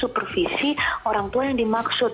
supervisi orang tua yang dimaksud